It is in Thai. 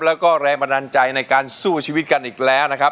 และแรงประดันใจในการสู้ชีวิตกันอีกแล้วนะครับ